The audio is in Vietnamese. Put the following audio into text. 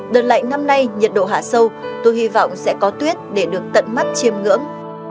đợt lạnh năm nay nhiệt độ hạ sâu tôi hy vọng sẽ có tuyết để được tận mắt chiêm ngưỡng